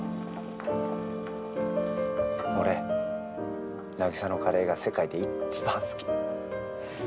俺凪沙のカレーが世界で一番好き。